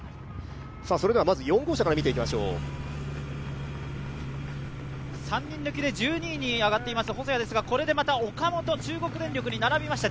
まず４号車から見ていきましょう３人抜きで１２位に上がっています細谷ですがこれでまた岡本、中国電力に並びました。